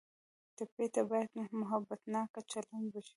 ټپي ته باید محبتناکه چلند وشي.